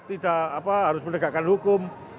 tidak harus menegakkan hukum